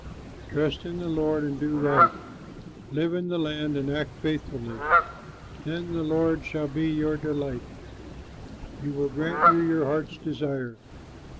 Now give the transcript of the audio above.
Trust in the Lord and do right, Live in the land and act faithfully. Then the Lord shall be your delight, He will grant you your heart's desire.